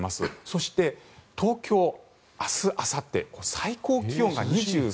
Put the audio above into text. そして、東京、明日あさって最高気温が２３度。